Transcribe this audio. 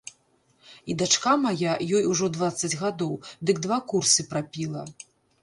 І дачка мая, ёй ужо дваццаць гадоў, дык два курсы прапіла.